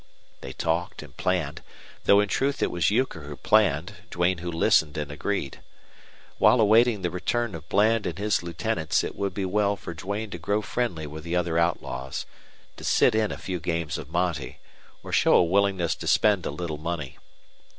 They talked and planned, though in truth it was Euchre who planned, Duane who listened and agreed. While awaiting the return of Bland and his lieutenants it would be well for Duane to grow friendly with the other outlaws, to sit in a few games of monte, or show a willingness to spend a little money.